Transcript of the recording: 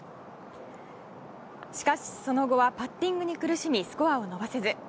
しかし、その後はパッティングに苦しみスコアを伸ばせず。